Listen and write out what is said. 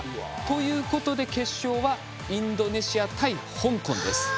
ということで決勝はインドネシア対香港です。